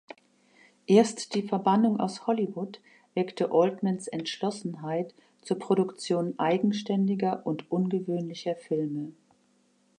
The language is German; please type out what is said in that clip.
Erst die Verbannung aus Hollywood weckte Altmans Entschlossenheit zur Produktion eigenständiger und ungewöhnlicher Filme.